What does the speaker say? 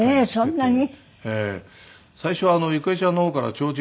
そんなに。